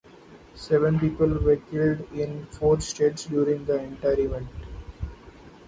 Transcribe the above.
Seven people were killed in four states during the entire event.